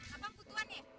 abang kutuan ya